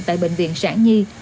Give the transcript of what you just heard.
tại bệnh viện sản nhi